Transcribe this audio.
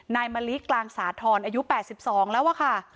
มะลิกลางสาธรณ์อายุ๘๒แล้วอะค่ะ